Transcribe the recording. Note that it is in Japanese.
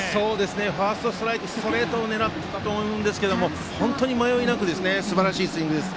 ファーストストライクストレートを狙っていたと思うんですけど本当に迷いなくすばらしいスイングです。